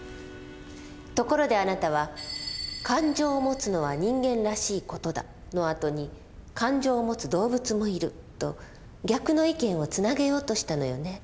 ところであなたは「感情を持つのは人間らしい事だ」の後に「感情を持つ動物もいる」と逆の意見をつなげようとしたのよね。